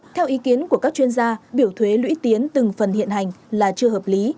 theo ý kiến của các chuyên gia biểu thuế lũy tiến từng phần hiện hành là chưa hợp lý